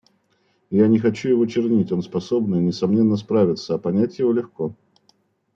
Я не хочу его чернить, он способный, несомненно справится, а понять его легко.